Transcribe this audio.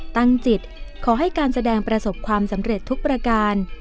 ตั้งจิตขอให้การแสดงประสบความสำเร็จทุกประการ